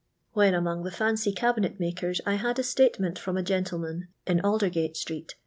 When among the fancy cabinet makers I had a statement from a gentlem.tn, io Alder^ga^' street.